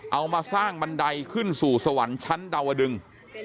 เอามาสร้างบันไดขึ้นสู่สวรรค์ชั้นดาวดึง